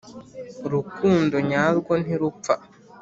urukundo nyarwo ntirupfa.